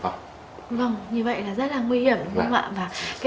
vâng như vậy là rất là nguy hiểm đúng không ạ